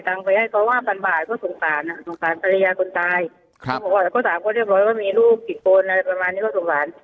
เค้าบอกว่าเค้าสามารถพอเรียบร้อยแล้วก็มีลูกกี่โปรนอะไรประมาณนี้เค้าสงสาร